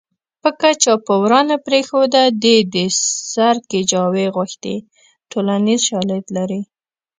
پکه چا په ورا نه پرېښوده دې د سر کجاوې غوښتې ټولنیز شالید لري